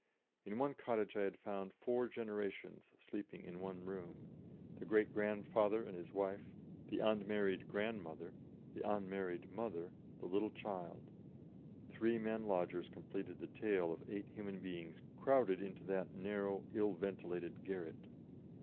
In one cottage I had found four generations sleeping in one room the great grandfather and his wife, the unmarried grandmother, the unmarried mother, the little child; three men lodgers completed the tale of eight human beings crowded into that narrow, ill ventilated garret.